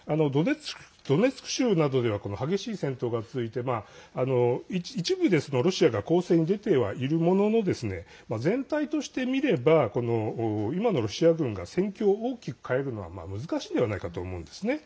ドネツク州などでは激しい戦闘が続いて一部でロシアが攻勢に出てはいるものの全体としてみれば今のロシア軍が戦況を大きく変えるのは難しいんではないかと思うんです。